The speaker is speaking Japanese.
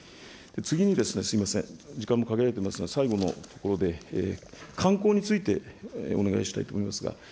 次にですね、すみません、時間も限られてますので、最後のところで観光についてお願いしたいと思いますが。